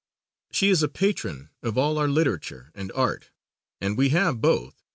She is a patron of all our literature and art and we have both.